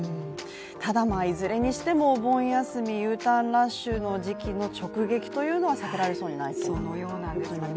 ただ、いずれにしてもお盆休みＵターンラッシュの時期に直撃というのは避けられそうにないということなんですね。